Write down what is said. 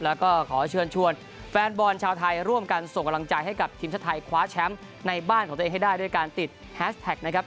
แล้วก็ขอเชิญชวนแฟนบอลชาวไทยร่วมกันส่งกำลังใจให้กับทีมชาติไทยคว้าแชมป์ในบ้านของตัวเองให้ได้ด้วยการติดแฮสแท็กนะครับ